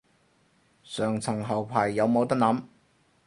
上層後排有冇得諗